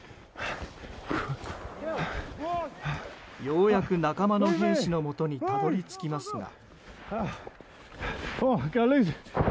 ようやく仲間の兵士のもとにたどり着きますが。